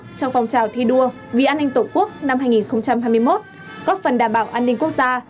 trong phòng trào thi đua vì an ninh tổ quốc năm hai nghìn hai mươi một góp phần đảm bảo an ninh quốc gia